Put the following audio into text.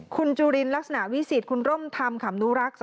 คุณจุลินลักษณะวิสิทธิ์คุณร่มธรรมขำนุรักษ์